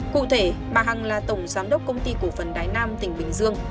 cụ thể bà hằng là tổng giám đốc công ty cổ phần đái nam tỉnh bình dương